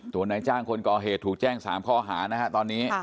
นายจ้างคนก่อเหตุถูกแจ้ง๓ข้อหานะฮะตอนนี้